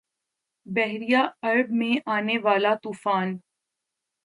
بحیرہ عرب میں آنے والا ’طوفان